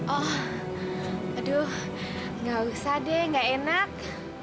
aduh nggak usah deh nggak enak